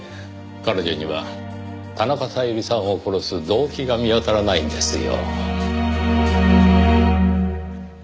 彼女には田中小百合さんを殺す動機が見当たらないんですよ。